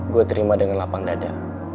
gue terima dengan lapang dada